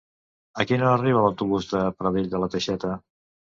A quina hora arriba l'autobús de Pradell de la Teixeta?